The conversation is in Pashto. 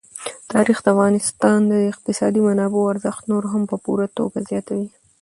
تاریخ د افغانستان د اقتصادي منابعو ارزښت نور هم په پوره توګه زیاتوي.